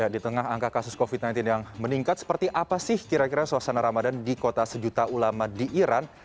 di tengah angka kasus covid sembilan belas yang meningkat seperti apa sih kira kira suasana ramadan di kota sejuta ulama di iran